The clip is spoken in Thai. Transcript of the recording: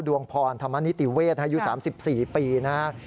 ดวงพรธรรมนิติเวศอายุ๓๔ปีนะครับ